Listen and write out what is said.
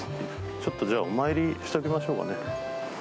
ちょっとじゃあお参りしときましょうかね